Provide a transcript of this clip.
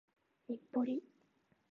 日暮里